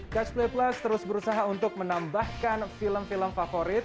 catch play plus terus berusaha untuk menambahkan film film favorit